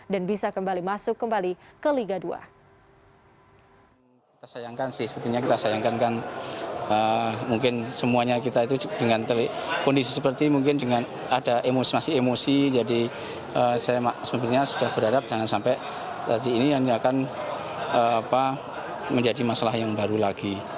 dan bisa kembali masuk kembali ke liga dua